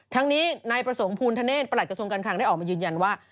ทั้งนี้นายประสงค์ภูณธเนธประหลักกระทรวงการคังได้ออกมายืนยันว่า